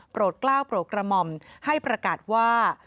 กล้าวโปรดกระหม่อมให้ประกาศว่า